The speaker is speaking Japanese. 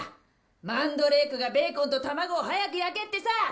マンドレークがベーコンと卵を早く焼けってさ！